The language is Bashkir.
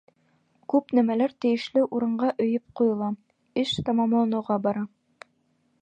Күп нәмәләр тейешле урынға өйөп ҡуйыла, эш тамамланыуға бара.